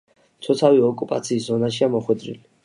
მცოცავი ოკუპაციის ზონაშია მოხვედრილი.